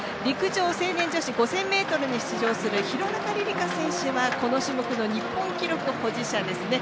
陸上成年女子５０００ｍに出場する廣中璃梨佳選手はこの種目の日本記録保持者です。